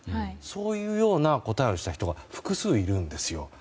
そういうような答えをした人が複数いるんですよ。